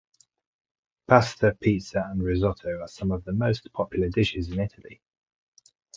Pasta, pizza, and risotto are some of the most popular dishes in Italy.